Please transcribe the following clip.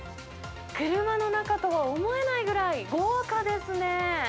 車の中とは思えないぐらい豪華ですね。